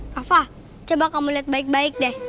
hafa coba kamu lihat baik baik deh